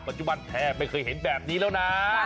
แทบไม่เคยเห็นแบบนี้แล้วนะ